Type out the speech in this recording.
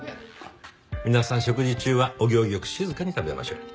皆さん食事中はお行儀良く静かに食べましょう。